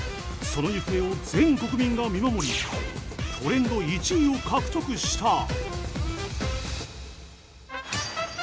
その行方を全国民が見守りトレンド１位を獲得した。